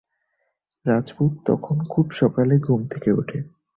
রাজপুত তখন খুব সকালে ঘুম থেকে ওঠে।